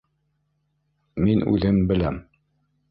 Мин үҙем беләм.